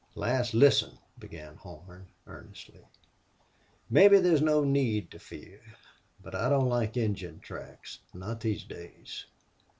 "Lass, listen," began Horn, earnestly. "Mebbe there's no need to fear. But I don't like Injun tracks. Not these days.